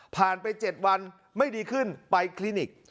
ไป๗วันไม่ดีขึ้นไปคลินิก